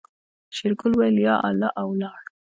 شېرګل وويل يا الله او ولاړ.